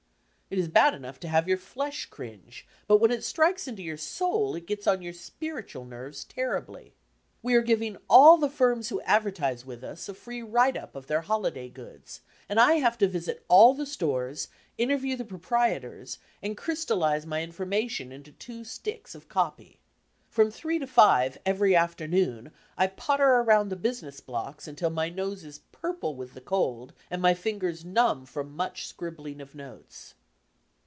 It is bad enough to have your flesh cringe, but when it strikes into your soul it gets on your spiritual nerves terribly. We are giving all the flrms who advertise with us a free "write up" of their holiday goods, and I have to visit all the stores, interview the proprietors, and crystallize my information into two "sticks" of copy. From three to five every afternoon I potter around the business blocks until my nose is purple with the cold and my fingers numb from much scribbling of notes.